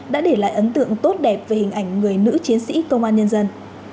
đã để lại ấn tượng tốt đẹp về hình ảnh người nữ chiến sĩ công an nhân dân